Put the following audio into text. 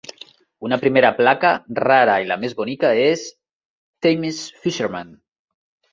Una primera placa, rara i la més bonica és "Thames Fisherman".